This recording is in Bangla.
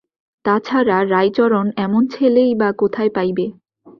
তা ছাড়া, রাইচরণ এমন ছেলেই বা কোথায় পাইবে।